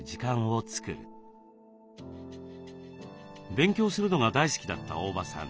勉強するのが大好きだった大庭さん。